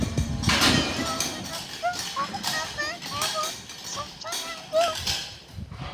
The newer city sprang up at the harbor some ten miles off.